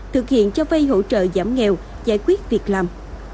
thực hiện cho vay hỗ trợ giảm nghèo giải quyết việc làm